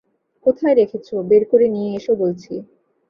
কোথায় রেখেছ বের করে নিয়ে এসো বলছি।